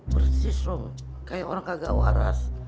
persis rom kayak orang kagak waras